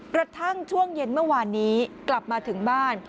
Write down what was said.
กระทั่งช่วงเย็นเมื่อวานนี้กลับมาถึงบ้าน